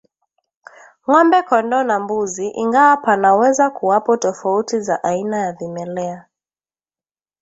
Ng'ombe kondoo na mbuzi ingawa panaweza kuwapo tofauti za aina ya vimelea